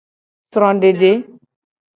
Srodede.